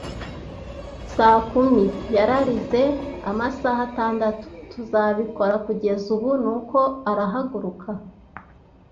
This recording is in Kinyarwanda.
“Saa kumi!” yararize. “Amasaha atandatu. Tuzabikora kugeza ubu, ”nuko arahaguruka.